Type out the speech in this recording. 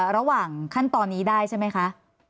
ระหว่างขั้นตอนนี้ได้ใช่ไหมคะ